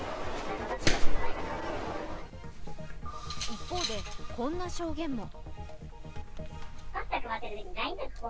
一方で、こんな証言も。